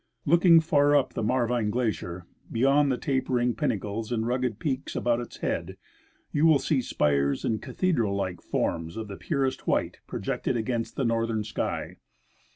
Looking far up the Marvine glacier, beyond the tapering pinnacles and rugged peaks about its head, you will .see spires and cathedral like forms of the purest white projected against the northern sky.